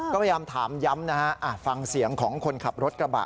ก็พยายามถามย้ำนะฮะฟังเสียงของคนขับรถกระบะ